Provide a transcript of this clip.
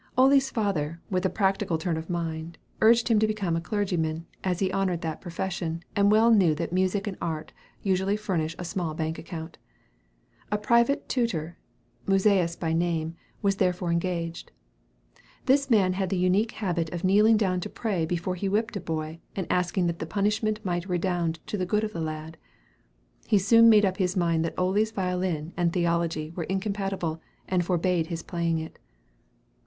Ole's father, with a practical turn of mind, urged his being a clergyman, as he honored that profession, and well knew that music and art usually furnish a small bank account. A private tutor, Musæus by name, was therefore engaged. This man had the unique habit of kneeling down to pray before he whipped a boy, and asking that the punishment might redound to the good of the lad. He soon made up his mind that Ole's violin and theology were incompatible, and forbade his playing it.